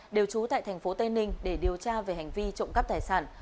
đều trú tại tp tây ninh để điều tra về hành vi trộm cắp tài sản